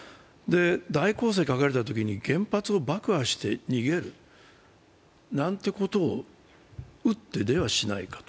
大攻勢がかかったとき原発を爆破して逃げるなんてことを打って出はしないかと。